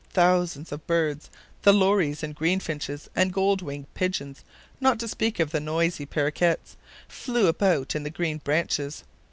Thousands of birds, the lories, and greenfinches, and gold winged pigeons, not to speak of the noisy paroquets, flew about in the green branches.